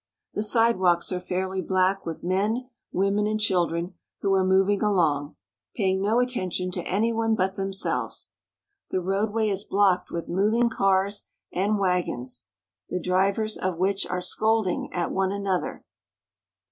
The sidewalks are fairly black with men, women, and children, who are moving along, paying no attention to any one but themselves. The roadway is blocked with moving cars and wagons, the drivers of which are scolding at one an other.